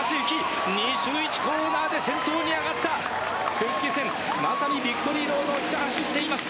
復帰戦、まさにビクトリーロードをひた走っています。